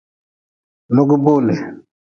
Logi boole.